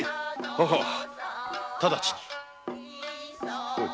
はい直ちに。